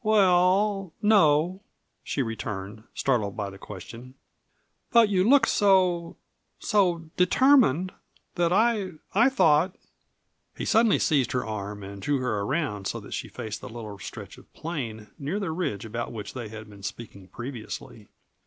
"Well no," she returned, startled by the question. "But you looked so so determined that I I thought " He suddenly seized her arm and drew her around so that she faced the little stretch of plain near the ridge about which they had been speaking previously.